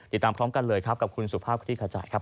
ติดตามพร้อมกันเลยครับกับคุณสุภาพคลิกขจายครับ